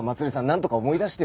なんとか思い出してよ。